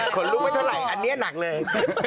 คนลุกไม่เท่าไหร่อันนี้หนักเลย